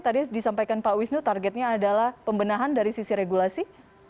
tadi disampaikan pak wisnu targetnya adalah pembenahan dari sisi regulasi